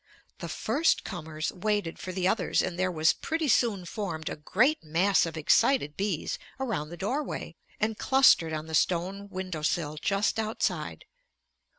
The first comers waited for the others, and there was pretty soon formed a great mass of excited bees around the doorway, and clustered on the stone window sill just outside.